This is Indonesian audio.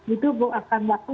itu membuangkan waktu